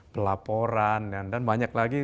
pelaporan dan banyak lagi